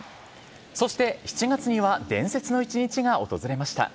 そして７月には、伝説の一日が訪れました。